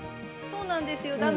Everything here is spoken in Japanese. そうなんですよ。